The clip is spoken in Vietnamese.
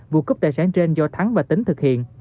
vụ cướp tài sản trên do thắng và tính thực hiện